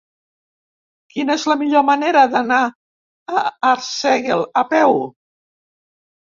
Quina és la millor manera d'anar a Arsèguel a peu?